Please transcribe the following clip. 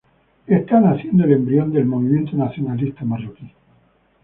Está naciendo el embrión del movimiento nacionalista marroquí.